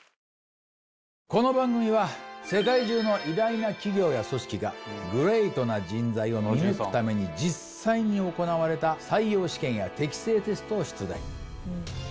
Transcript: この番組は世界中の偉大な企業や組織がグレートな人材を見抜くために実際に行われた採用試験や適性テストを出題。